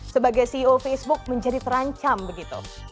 sebagai ceo facebook menjadi terancam begitu